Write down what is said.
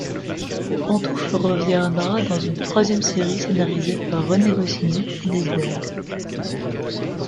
Pantoufle reviendra dans une troisième série scénarisée par René Goscinny et Desberg.